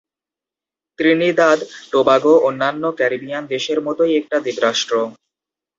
Trinidad Tobago অন্যান্য Caribbean দেশের মতই একটা দ্বীপরাষ্ট্র।